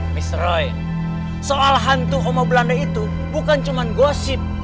miss roy soal hantu oma belanda itu bukan cuma gosip